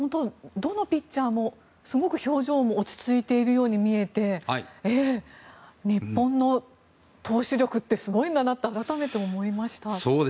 どのピッチャーもすごく表情も落ち着いているように見えて日本の投手力ってすごいんだなと改めて思いました。